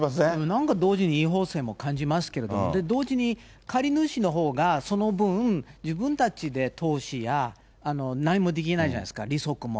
なんか同時に違法性も感じますけれども、同時に借り主のほうがその分、自分たちで投資や何もできないじゃないですか、利息も。